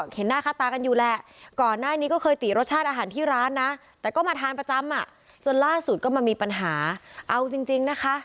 ประจำอะจนล่าสุดก็มันมีปัญหาเอาจริงจริงนะคะ